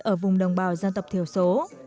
ở vùng đồng bào dân tộc thiểu số